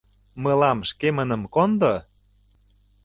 Мылам шкемыным кондо!